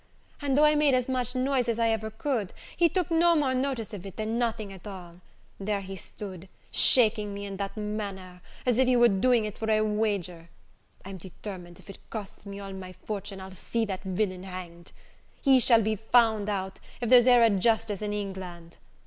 And though I made as much noise as I ever could, he took no more notice of it than nothing at all; there he stood, shaking me in that manner, as if he was doing it for a wager. I'm determined, if it costs me all my fortune, I'll see that villain hanged. He shall be found out, if there's e'er a justice in England.